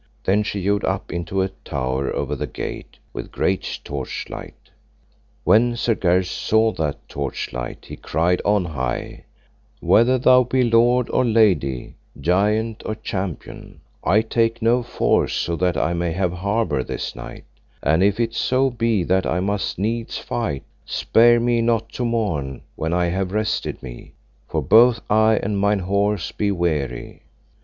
Then she yode up into a tower over the gate, with great torchlight. When Sir Gareth saw that torch light he cried on high: Whether thou be lord or lady, giant or champion, I take no force so that I may have harbour this night; and if it so be that I must needs fight, spare me not to morn when I have rested me, for both I and mine horse be weary.